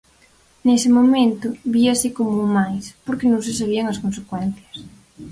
Nese momento, víase como o máis, porque non se sabían as consecuencias.